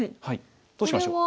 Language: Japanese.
どうしましょう？